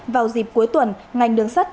vào dịp cuối tuần ngành đường xe hải phòng